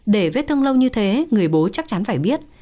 để viết thương lâu như thế người bố chắc chắn phải biết